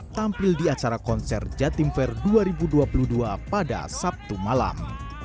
tampil di acara konser jatim fair dua ribu dua puluh dua pada sabtu malam